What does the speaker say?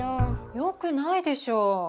よくないでしょ。